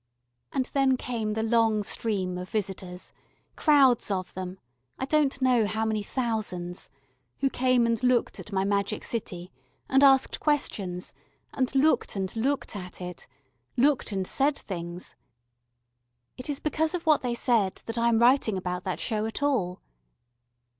And then came the long stream of visitors crowds of them I don't know how many thousands, who came and looked at my magic city and asked questions, and looked and looked at it, looked and said things. It is because of what they said that I am writing about that show at all.